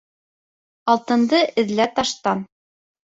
Алтынды эҙлә таштан